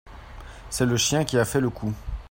C'est le chien qui a fait le coup.